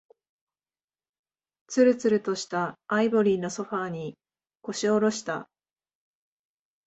つるつるとしたアイボリーのソファーに、腰を下ろした。